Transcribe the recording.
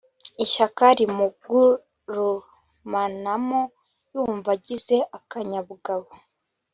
ishyaka rimugurumanamo yumva agize akanyabugabo